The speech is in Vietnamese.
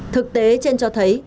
thực tế trên cho thấy